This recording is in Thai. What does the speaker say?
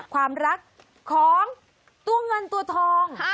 ความรักของตัวเงินตัวทอง